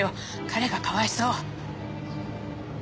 彼がかわいそう。